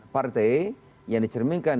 partai yang dicerminkan